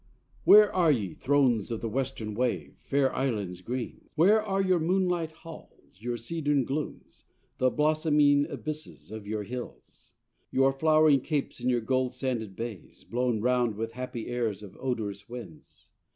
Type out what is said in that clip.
Where are ye Thrones of the Western wave, fair Islands green? Where are your moonlight halls, your cedarn glooms, The blossoming abysses of your hills? Your flowering Capes and your gold sanded bays Blown round with happy airs of odorous winds?